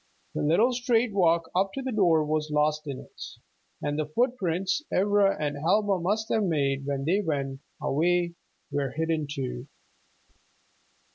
The little straight walk up to the door was lost in it, and the footprints Ivra and Helma must have made when they went away were hidden too.